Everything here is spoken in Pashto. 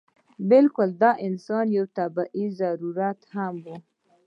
بلکې دا د انسان یو طبعي ضرورت هم و.